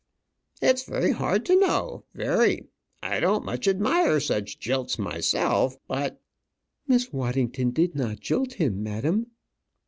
"It's very hard to know; very. I don't much admire such jilts myself, but " "Miss Waddington did not jilt him, madam."